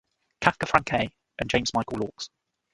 Kafker, Frank A., and James Michael Laux.